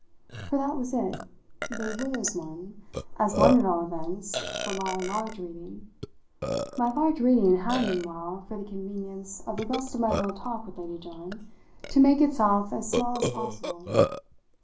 For that was it they were as one; as one, at all events, for my large reading. My large reading had meanwhile, for the convenience of the rest of my little talk with Lady John, to make itself as small as possible.